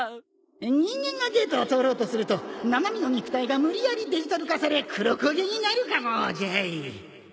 人間がゲートを通ろうとすると生身の肉体が無理やりデジタル化され黒焦げになるかもじゃい